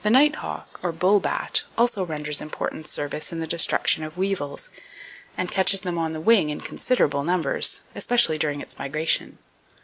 —The nighthawk, or bull bat, also renders important service in the destruction of weevils, and catches them on the wing in considerable numbers, especially during its migration.